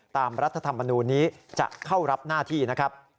รัฐธรรมนูลนี้จะเข้ารับหน้าที่นะครับ